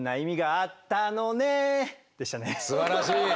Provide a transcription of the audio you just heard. すばらしい。